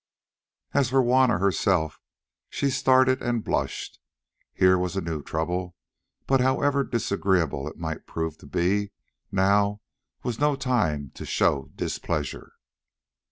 As for Juanna herself, she started and blushed; here was a new trouble, but however disagreeable it might prove to be, now was no time to show displeasure.